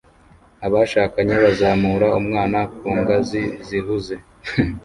abashakanye bazamura umwana ku ngazi zihuze